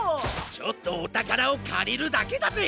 ちょっとおたからをかりるだけだぜ！